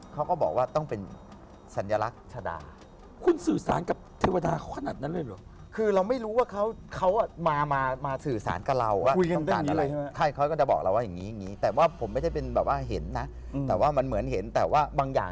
เขาก็บอกว่าต้องเป็นสัญลักษณ์ชะดา